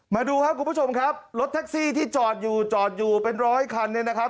มาดูครับคุณผู้ชมครับรถแท็กซี่ที่จอดอยู่จอดอยู่เป็นร้อยคันเนี่ยนะครับ